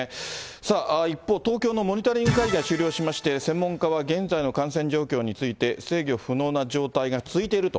さあ、一方、東京のモニタリング会議が終了しまして、専門家は現在の感染状況について、制御不能な状態が続いていると。